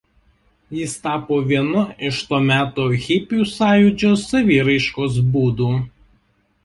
Jis tapo vienu iš to meto hipių sąjūdžio saviraiškos būdų.